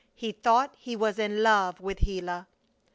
He thought he was in love with Gila!